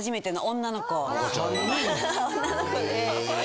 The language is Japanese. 女の子で。